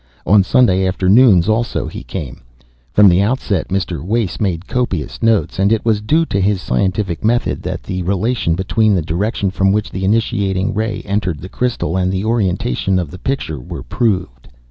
On Sunday afternoons, also, he came. From the outset Mr. Wace made copious notes, and it was due to his scientific method that the relation between the direction from which the initiating ray entered the crystal and the orientation of the picture were proved.